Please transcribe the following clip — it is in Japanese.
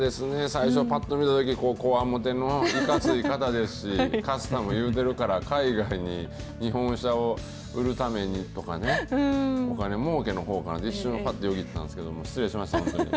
最初ぱっと見たとき、こわもての、いかつい方ですし、カスタム言うてるから、海外に日本車を売るためにとかね、お金もうけのほうかって一瞬、ぱってよぎったんですけど、失礼しました、本当に。